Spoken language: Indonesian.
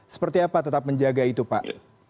seperti apa tetap menjaga itu pak